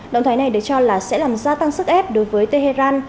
động thái này được cho là sẽ làm gia tăng sức ép đối với tehran